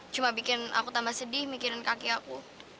cuma bikin aku tambah sedih mikirin kaki aku